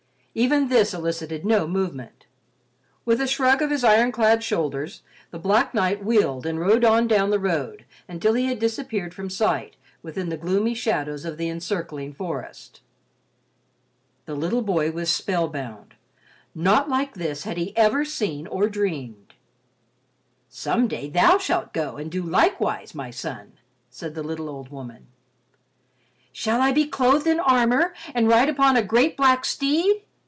Even this elicited no movement. With a shrug of his iron clad shoulders, the black knight wheeled and rode on down the road until he had disappeared from sight within the gloomy shadows of the encircling forest. The little boy was spell bound. Naught like this had he ever seen or dreamed. "Some day thou shalt go and do likewise, my son," said the little old woman. "Shall I be clothed in armor and ride upon a great black steed?"